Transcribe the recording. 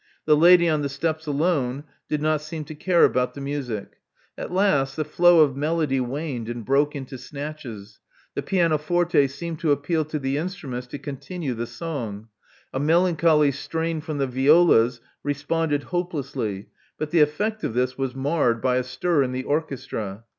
The lady on the steps alone did not seem to care about the music. At last the flow of melody waned and broke into snatches. The pianoforte seemed to appeal to the instruments to continue the song. A melancholy strain from the violas responded hope lessly; but the effect of this was marred by a stir in the orchestra.